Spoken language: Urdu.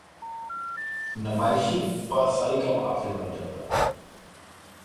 نمائشی پارسائی کا محافظ بن جاتا ہے۔